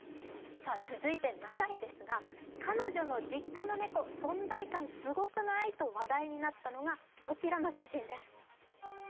続いて７位ですが彼女の実家の猫、存在感すごくない？と話題になったのがこちらの写真です。